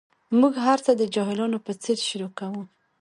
موږ هر څه د جاهلانو په څېر شروع کوو.